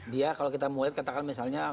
dia kalau kita mulai katakan misalnya